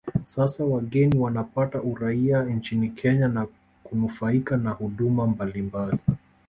Sasa wageni wanapata uraia nchini Kenya na kunufaika na huduma mbalimbali